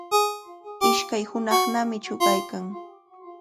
Ishkay hunaqnami chuqaykan.